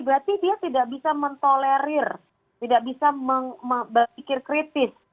berarti dia tidak bisa mentolerir tidak bisa berpikir kritis